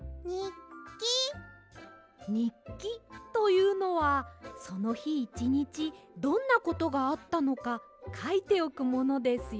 にっきというのはそのひいちにちどんなことがあったのかかいておくものですよ。